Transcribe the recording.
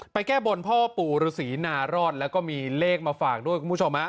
แก้บนพ่อปู่ฤษีนารอดแล้วก็มีเลขมาฝากด้วยคุณผู้ชมฮะ